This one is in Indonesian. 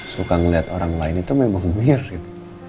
suka ngeliat orang lain itu memang mirip